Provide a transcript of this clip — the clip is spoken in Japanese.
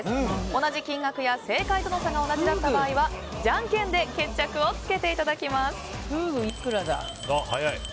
同じ金額や正解との差が同じだった場合は、じゃんけんで決着をつけていただきます。